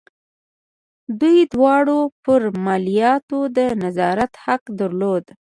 دوی دواړو پر مالیاتو د نظارت حق درلود.